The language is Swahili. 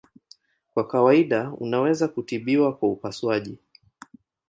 Kwa kawaida unaweza kutibiwa kwa upasuaji.